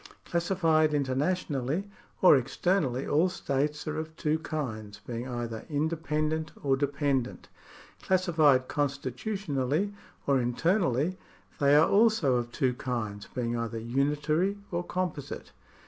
Classified internationally or externally, all states are of two kinds, being either indepen dent or dependent. Classified constitutionally or internally, they are also of two kinds, being either unitary or composite.